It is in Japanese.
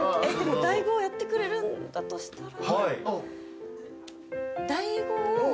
ＤＡＩ語をやってくれるんだとしたら。